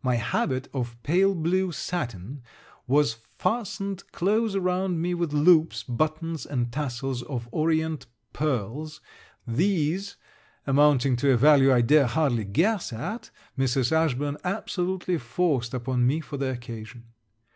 My habit of pale blue sattin was fastened close around me with loops, buttons, and tassels of orient pearls, these, amounting to a value I dare hardly guess at, Mrs. Ashburn absolutely forced upon me for the occasion.